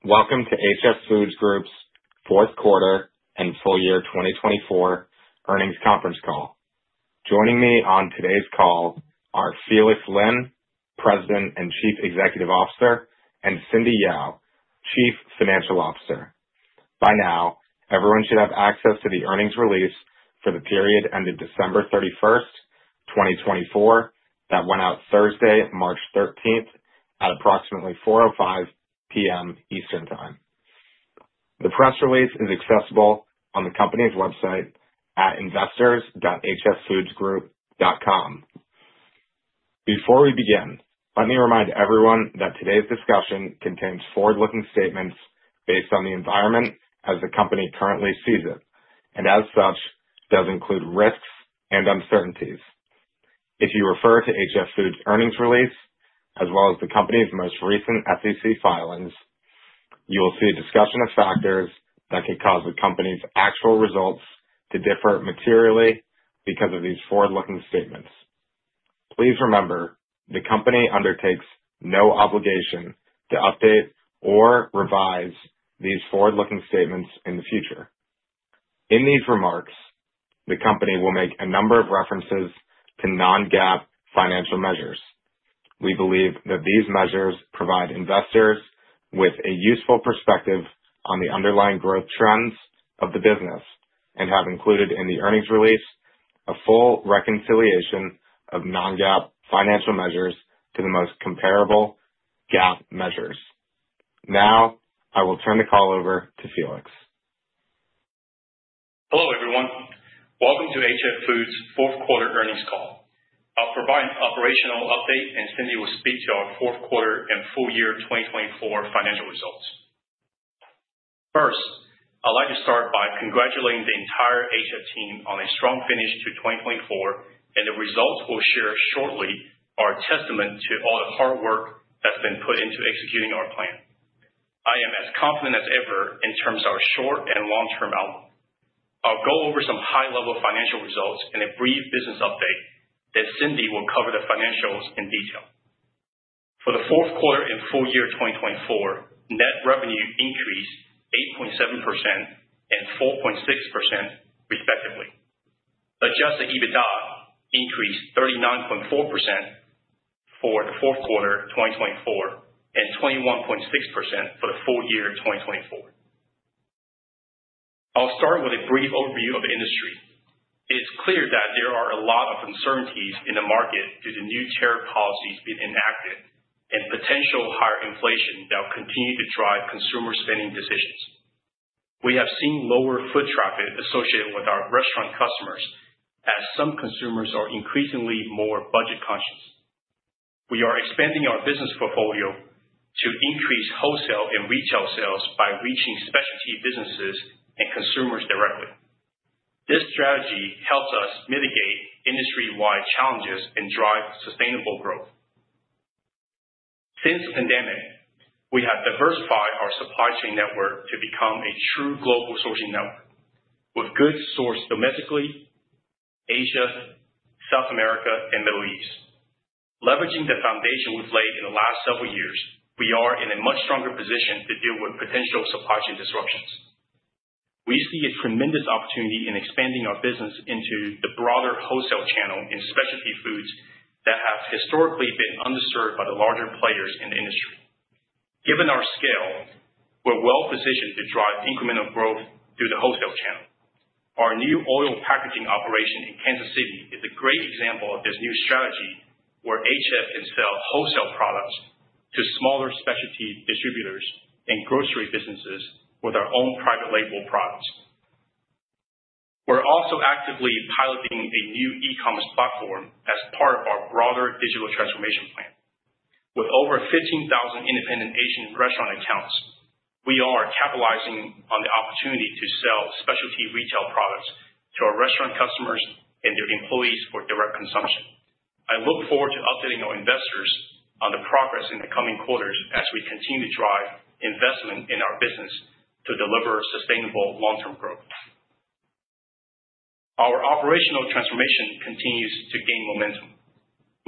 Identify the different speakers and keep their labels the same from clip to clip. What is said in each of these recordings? Speaker 1: Hello, everyone. Welcome to HF Foods Group's fourth quarter and full year 2024 earnings conference call. Joining me on today's call are Felix Lin, President and Chief Executive Officer, and Cindy Yao, Chief Financial Officer. By now, everyone should have access to the earnings release for the period ended December 31, 2024, that went out Thursday, March 13, at approximately 4:05 P.M. Eastern Time. The press release is accessible on the company's website at investors.hffoodsgroup.com. Before we begin, let me remind everyone that today's discussion contains forward-looking statements based on the environment as the company currently sees it, and as such, does include risks and uncertainties. If you refer to HF Foods' earnings release, as well as the company's most recent SEC filings, you will see a discussion of factors that could cause the company's actual results to differ materially because of these forward-looking statements. Please remember, the company undertakes no obligation to update or revise these forward-looking statements in the future. In these remarks, the company will make a number of references to non-GAAP financial measures. We believe that these measures provide investors with a useful perspective on the underlying growth trends of the business and have included in the earnings release a full reconciliation of non-GAAP financial measures to the most comparable GAAP measures. Now, I will turn the call over to Felix.
Speaker 2: Hello, everyone. Welcome to HF Foods' fourth quarter earnings call. I'll provide an operational update, and Cindy will speak to our fourth quarter and full year 2024 financial results. First, I'd like to start by congratulating the entire HF team on a strong finish to 2024, and the results we'll share shortly are a testament to all the hard work that's been put into executing our plan. I am as confident as ever in terms of our short and long-term outlook. I'll go over some high-level financial results and a brief business update, then Cindy will cover the financials in detail. For the fourth quarter and full year 2024, net revenue increased 8.7% and 4.6%, respectively. Adjusted EBITDA increased 39.4% for the fourth quarter 2024 and 21.6% for the full year 2024. I'll start with a brief overview of the industry. It's clear that there are a lot of uncertainties in the market due to new tariff policies being enacted and potential higher inflation that will continue to drive consumer spending decisions. We have seen lower foot traffic associated with our restaurant customers, as some consumers are increasingly more budget conscious. We are expanding our business portfolio to increase wholesale and retail sales by reaching specialty businesses and consumers directly. This strategy helps us mitigate industry-wide challenges and drive sustainable growth. Since the pandemic, we have diversified our supply chain network to become a true global sourcing network, with goods sourced domestically, Asia, South America, and the Middle East. Leveraging the foundation we've laid in the last several years, we are in a much stronger position to deal with potential supply chain disruptions. We see a tremendous opportunity in expanding our business into the broader wholesale channel in specialty foods that have historically been underserved by the larger players in the industry. Given our scale, we're well-positioned to drive incremental growth through the wholesale channel. Our new oil packaging operation in Kansas City is a great example of this new strategy, where HF can sell wholesale products to smaller specialty distributors and grocery businesses with our own private label products. We're also actively piloting a new e-commerce platform as part of our broader digital transformation plan. With over 15,000 independent Asian restaurant accounts, we are capitalizing on the opportunity to sell specialty retail products to our restaurant customers and their employees for direct consumption. I look forward to updating our investors on the progress in the coming quarters as we continue to drive investment in our business to deliver sustainable long-term growth. Our operational transformation continues to gain momentum.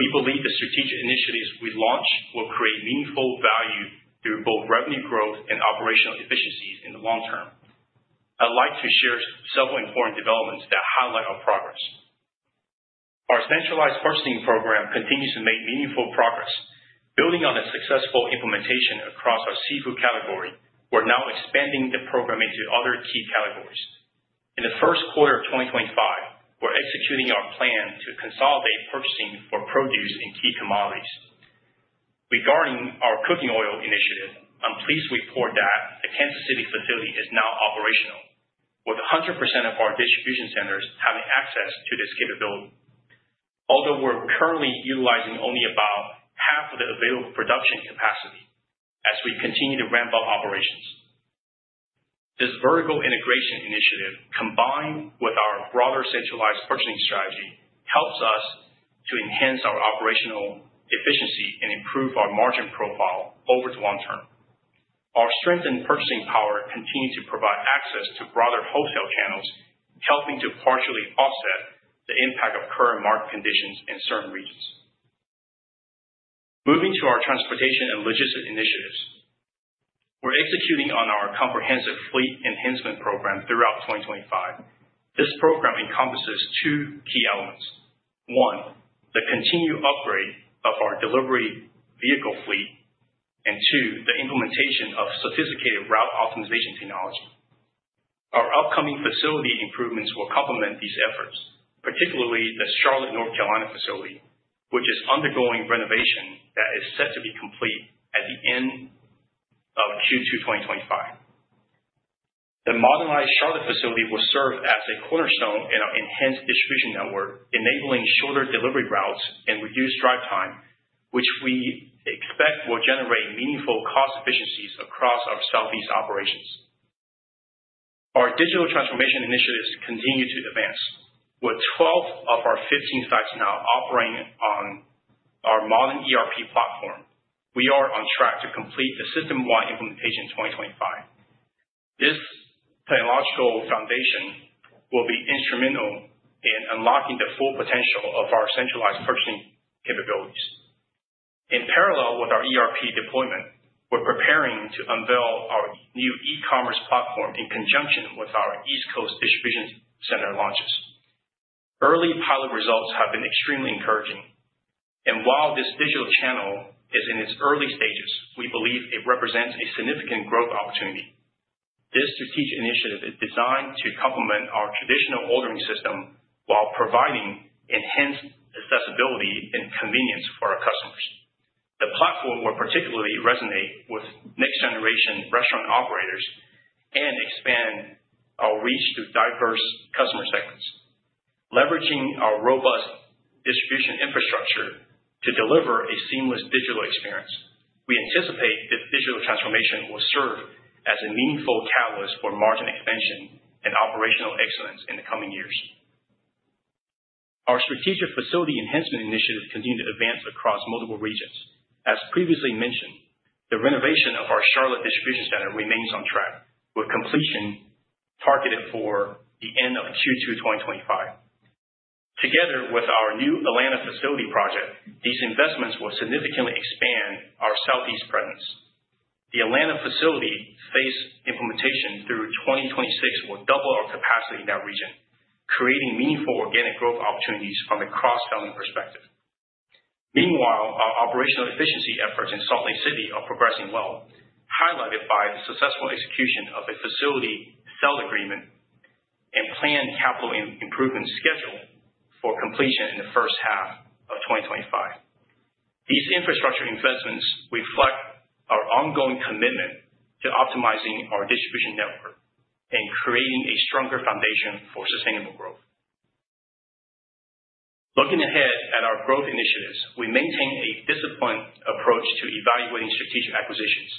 Speaker 2: We believe the strategic initiatives we launch will create meaningful value through both revenue growth and operational efficiencies in the long term. I'd like to share several important developments that highlight our progress. Our centralized purchasing program continues to make meaningful progress. Building on a successful implementation across our seafood category, we're now expanding the program into other key categories. In the first quarter of 2025, we're executing our plan to consolidate purchasing for produce and key commodities. Regarding our cooking oil initiative, I'm pleased to report that the Kansas City facility is now operational, with 100% of our distribution centers having access to this capability. Although we're currently utilizing only about half of the available production capacity as we continue to ramp up operations, this vertical integration initiative, combined with our broader centralized purchasing strategy, helps us to enhance our operational efficiency and improve our margin profile over the long term. Our strengthened purchasing power continues to provide access to broader wholesale channels, helping to partially offset the impact of current market conditions in certain regions. Moving to our transportation and logistics initiatives, we're executing on our comprehensive fleet enhancement program throughout 2025. This program encompasses two key elements: one, the continued upgrade of our delivery vehicle fleet, and two, the implementation of sophisticated route optimization technology. Our upcoming facility improvements will complement these efforts, particularly the Charlotte, North Carolina facility, which is undergoing renovation that is set to be complete at the end of Q2 2025. The modernized Charlotte facility will serve as a cornerstone in our enhanced distribution network, enabling shorter delivery routes and reduced drive time, which we expect will generate meaningful cost efficiencies across our Southeast operations. Our digital transformation initiatives continue to advance. With 12 of our 15 sites now operating on our modern ERP platform, we are on track to complete the system-wide implementation in 2025. This technological foundation will be instrumental in unlocking the full potential of our centralized purchasing capabilities. In parallel with our ERP deployment, we are preparing to unveil our new e-commerce platform in conjunction with our East Coast distribution center launches. Early pilot results have been extremely encouraging. While this digital channel is in its early stages, we believe it represents a significant growth opportunity. This strategic initiative is designed to complement our traditional ordering system while providing enhanced accessibility and convenience for our customers. The platform will particularly resonate with next-generation restaurant operators and expand our reach to diverse customer segments. Leveraging our robust distribution infrastructure to deliver a seamless digital experience, we anticipate this digital transformation will serve as a meaningful catalyst for margin expansion and operational excellence in the coming years. Our strategic facility enhancement initiative continues to advance across multiple regions. As previously mentioned, the renovation of our Charlotte distribution center remains on track, with completion targeted for the end of Q2 2025. Together with our new Atlanta facility project, these investments will significantly expand our Southeast presence. The Atlanta facility phase implementation through 2026 will double our capacity in that region, creating meaningful organic growth opportunities from a cross-selling perspective. Meanwhile, our operational efficiency efforts in Salt Lake City are progressing well, highlighted by the successful execution of a facility sale agreement and planned capital improvement schedule for completion in the first half of 2025. These infrastructure investments reflect our ongoing commitment to optimizing our distribution network and creating a stronger foundation for sustainable growth. Looking ahead at our growth initiatives, we maintain a disciplined approach to evaluating strategic acquisitions.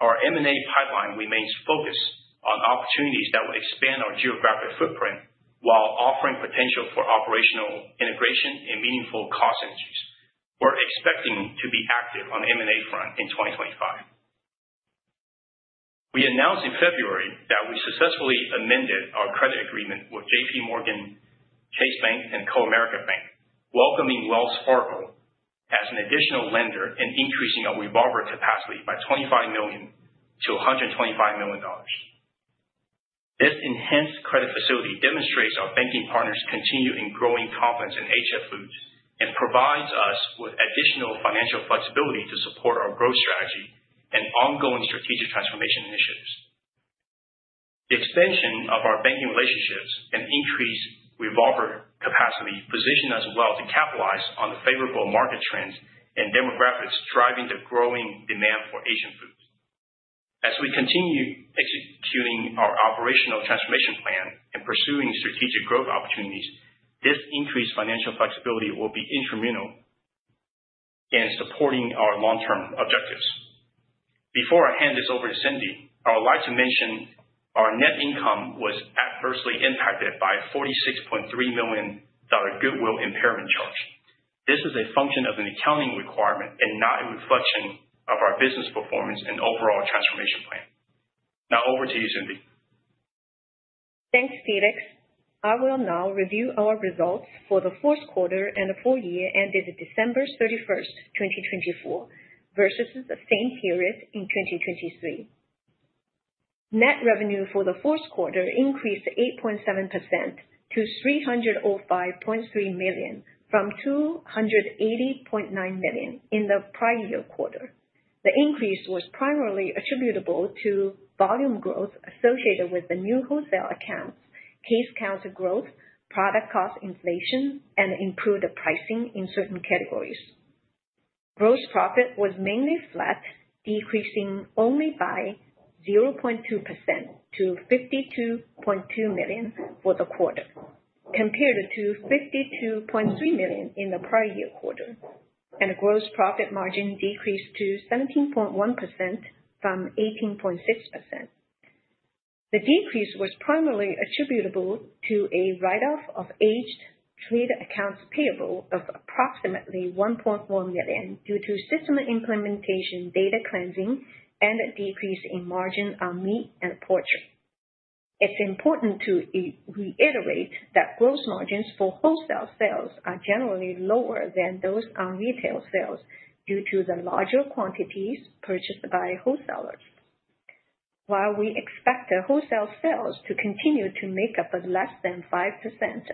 Speaker 2: Our M&A pipeline remains focused on opportunities that will expand our geographic footprint while offering potential for operational integration and meaningful cost synergies. We're expecting to be active on the M&A front in 2025. We announced in February that we successfully amended our credit agreement with JPMorgan Chase Bank and Comerica Bank, welcoming Wells Fargo as an additional lender and increasing our revolver capacity by $25 million to $125 million. This enhanced credit facility demonstrates our banking partners' continued and growing confidence in HF Foods and provides us with additional financial flexibility to support our growth strategy and ongoing strategic transformation initiatives. The expansion of our banking relationships and increased revolver capacity position us well to capitalize on the favorable market trends and demographics driving the growing demand for Asian foods. As we continue executing our operational transformation plan and pursuing strategic growth opportunities, this increased financial flexibility will be instrumental in supporting our long-term objectives. Before I hand this over to Cindy, I would like to mention our net income was adversely impacted by a $46.3 million goodwill impairment charge. This is a function of an accounting requirement and not a reflection of our business performance and overall transformation plan. Now, over to you, Cindy.
Speaker 3: Thanks, Felix. I will now review our results for the fourth quarter and the full year ended December 31, 2024, versus the same period in 2023. Net revenue for the fourth quarter increased 8.7% to $305.3 million from $280.9 million in the prior year quarter. The increase was primarily attributable to volume growth associated with the new wholesale accounts, case count growth, product cost inflation, and improved pricing in certain categories. Gross profit was mainly flat, decreasing only by 0.2% to $52.2 million for the quarter, compared to $52.3 million in the prior year quarter, and the gross profit margin decreased to 17.1% from 18.6%. The decrease was primarily attributable to a write-off of aged trade accounts payable of approximately $1.1 million due to system implementation data cleansing and a decrease in margin on meat and poultry. It's important to reiterate that gross margins for wholesale sales are generally lower than those on retail sales due to the larger quantities purchased by wholesalers. While we expect the wholesale sales to continue to make up less than 5%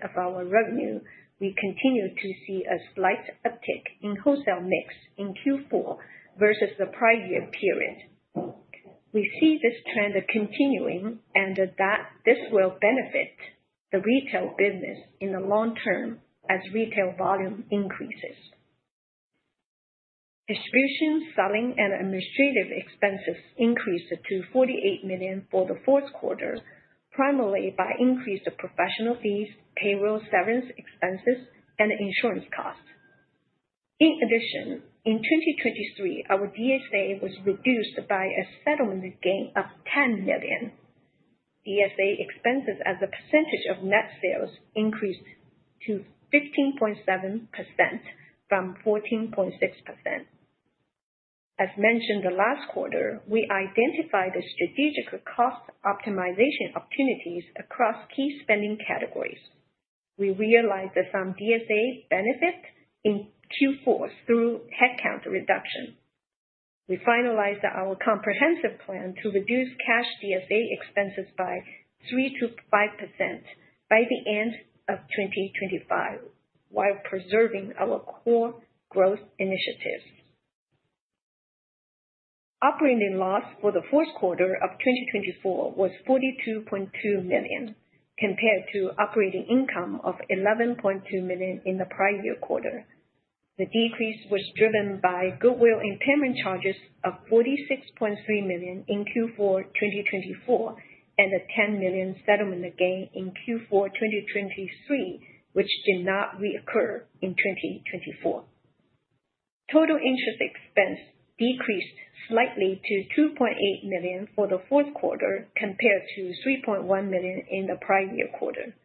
Speaker 3: of our revenue, we continue to see a slight uptick in wholesale mix in Q4 versus the prior year period. We see this trend continuing and that this will benefit the retail business in the long term as retail volume increases. Distribution, selling, and administrative expenses increased to $48 million for the fourth quarter, primarily by increased professional fees, payroll severance expenses, and insurance costs. In addition, in 2023, our DSA was reduced by a settlement gain of $10 million. DSA expenses as a percentage of net sales increased to 15.7% from 14.6%. As mentioned the last quarter, we identified the strategic cost optimization opportunities across key spending categories. We realized that some DSA benefit in Q4 through headcount reduction. We finalized our comprehensive plan to reduce cash DSA expenses by 3%-5% by the end of 2025 while preserving our core growth initiatives. Operating loss for the fourth quarter of 2024 was $42.2 million, compared to operating income of $11.2 million in the prior year quarter. The decrease was driven by goodwill impairment charges of $46.3 million in Q4 2024 and a $10 million settlement gain in Q4 2023, which did not reoccur in 2024. Total interest expense decreased slightly to $2.8 million for the fourth quarter, compared to $3.1 million in the prior year quarter.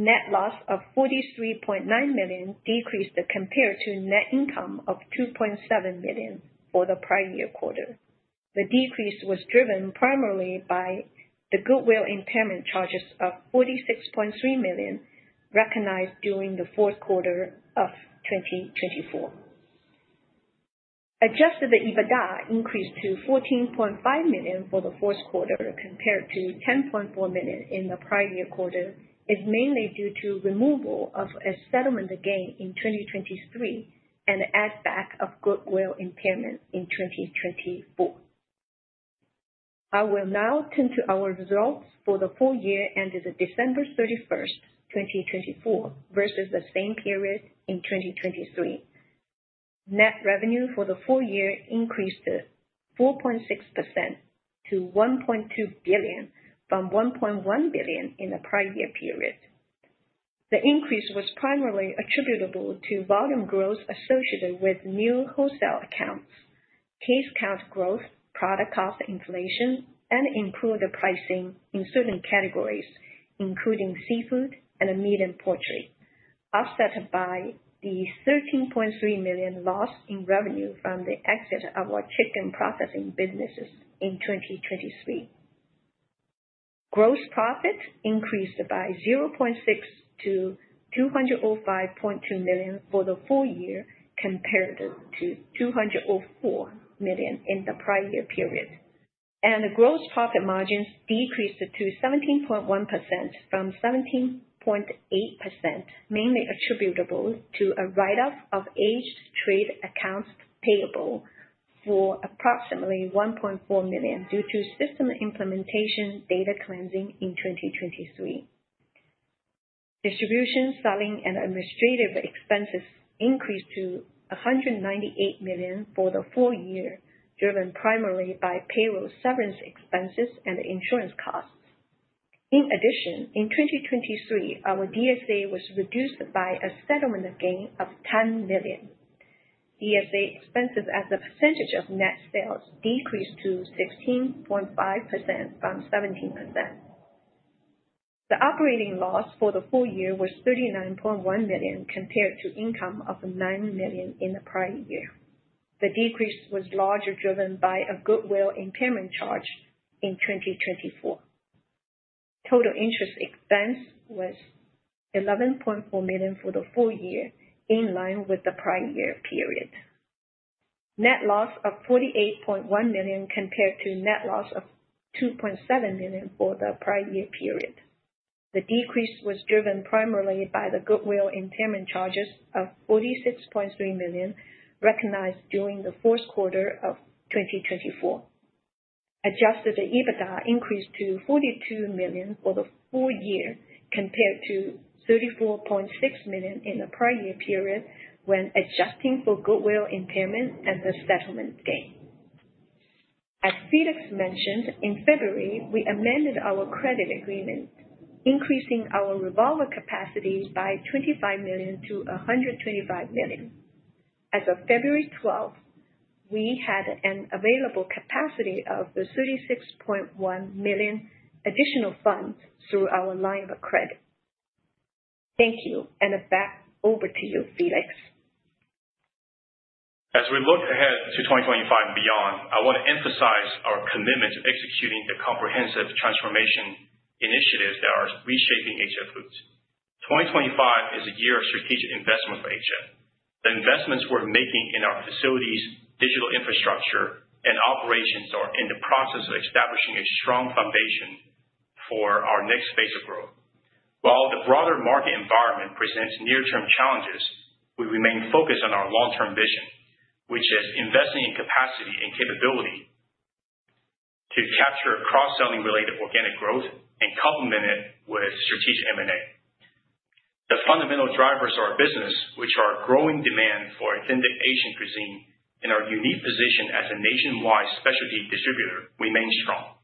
Speaker 3: Net loss of $43.9 million decreased compared to net income of $2.7 million for the prior year quarter. The decrease was driven primarily by the goodwill impairment charges of $46.3 million recognized during the fourth quarter of 2024. Adjusted EBITDA increased to $14.5 million for the fourth quarter, compared to $10.4 million in the prior year quarter, is mainly due to removal of a settlement gain in 2023 and add-back of goodwill impairment in 2024. I will now turn to our results for the full year ended December 31, 2024, versus the same period in 2023. Net revenue for the full year increased 4.6% to $1.2 billion from $1.1 billion in the prior year period. The increase was primarily attributable to volume growth associated with new wholesale accounts, case count growth, product cost inflation, and improved pricing in certain categories, including seafood and meat and poultry, offset by the $13.3 million loss in revenue from the exit of our chicken processing businesses in 2023. Gross profit increased by $0.6 million to $205.2 million for the full year, compared to $204 million in the prior year period. Gross profit margins decreased to 17.1% from 17.8%, mainly attributable to a write-off of aged trade accounts payable for approximately $1.4 million due to system implementation data cleansing in 2023. Distribution, selling, and administrative expenses increased to $198 million for the full year, driven primarily by payroll severance expenses and insurance costs. In addition, in 2023, our DSA was reduced by a settlement gain of $10 million. DSA expenses as a percentage of net sales decreased to 16.5% from 17%. The operating loss for the full year was $39.1 million, compared to income of $9 million in the prior year. The decrease was largely driven by a goodwill impairment charge in 2024. Total interest expense was $11.4 million for the full year, in line with the prior year period. Net loss of $48.1 million compared to net loss of $2.7 million for the prior year period. The decrease was driven primarily by the goodwill impairment charges of $46.3 million recognized during the fourth quarter of 2024. Adjusted EBITDA increased to $42 million for the full year, compared to $34.6 million in the prior year period when adjusting for goodwill impairment and the settlement gain. As Felix mentioned, in February, we amended our credit agreement, increasing our revolver capacity by $25 million to $125 million. As of February 12th, we had an available capacity of $36.1 million additional funds through our line of credit. Thank you, and back over to you, Felix.
Speaker 2: As we look ahead to 2025 and beyond, I want to emphasize our commitment to executing the comprehensive transformation initiatives that are reshaping HF Foods. 2025 is a year of strategic investment for HF. The investments we're making in our facilities, digital infrastructure, and operations are in the process of establishing a strong foundation for our next phase of growth. While the broader market environment presents near-term challenges, we remain focused on our long-term vision, which is investing in capacity and capability to capture cross-selling-related organic growth and complement it with strategic M&A. The fundamental drivers of our business, which are growing demand for authentic Asian cuisine and our unique position as a nationwide specialty distributor, remain strong.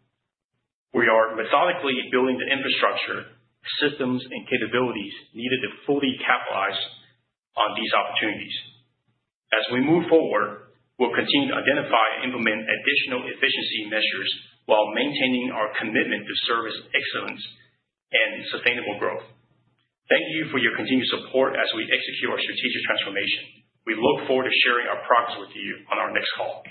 Speaker 2: We are methodically building the infrastructure, systems, and capabilities needed to fully capitalize on these opportunities. As we move forward, we'll continue to identify and implement additional efficiency measures while maintaining our commitment to service excellence and sustainable growth. Thank you for your continued support as we execute our strategic transformation. We look forward to sharing our progress with you on our next call.